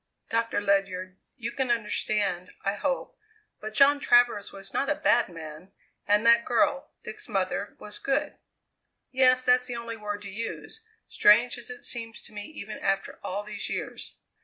"Doctor Ledyard, you can understand, I hope, but John Travers was not a bad man, and that girl, Dick's mother, was good. Yes; that's the only word to use, strange as it seems to me even after all these years.